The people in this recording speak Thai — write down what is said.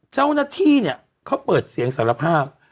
เจ้าหน้าที่เนี่ยเขาเปิดเสียงสารภาพ